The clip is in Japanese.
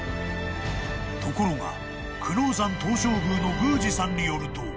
［ところが久能山東照宮の宮司さんによると］